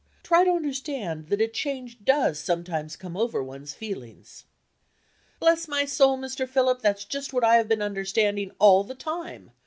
Try to understand that a change does sometimes come over one's feelings." "Bless my soul, Mr. Philip, that's just what I have been understanding all the time!